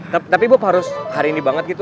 tapi bu harus hari ini banget gitu